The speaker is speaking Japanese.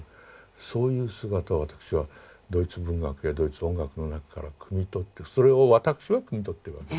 そういう姿を私はドイツ文学やドイツ音楽の中からくみ取ってそれを私はくみ取ってるわけ。